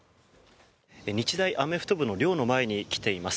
日大アメフト部の寮の前に来ています。